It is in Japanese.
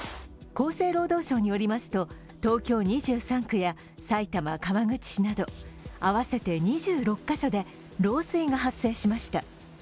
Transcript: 厚生労働省によりますと、東京２３区や埼玉・川口市など合わせて２６カ所で漏水が発生しました。